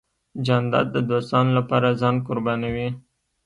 جانداد د دوستانو له پاره ځان قربانوي .